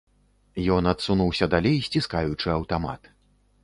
Ён адсунуўся далей, сціскаючы аўтамат.